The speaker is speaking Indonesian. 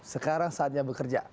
sekarang saatnya bekerja